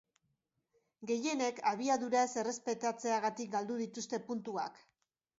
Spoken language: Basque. Gehienek abiadura ez errespetatzeagatik galdu dituzte puntuak.